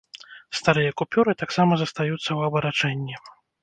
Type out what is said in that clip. Старыя купюры таксама застаюцца ў абарачэнні.